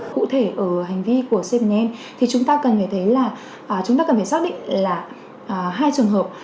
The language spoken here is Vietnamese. cụ thể ở hành vi của cbn thì chúng ta cần phải thấy là chúng ta cần phải xác định là hai trường hợp